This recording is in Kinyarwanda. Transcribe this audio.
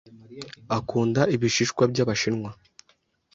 Akunda ibishishwa byabashinwa.